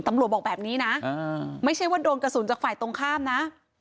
บอกแบบนี้นะไม่ใช่ว่าโดนกระสุนจากฝ่ายตรงข้ามนะ